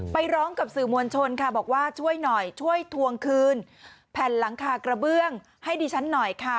ไปร้องกับสื่อมวลชนค่ะบอกว่าช่วยหน่อยช่วยทวงคืนแผ่นหลังคากระเบื้องให้ดิฉันหน่อยค่ะ